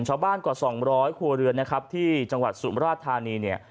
กว่าสองร้อยครัวเรือนนะครับที่จังหวัดสุมราชธานีเนี่ย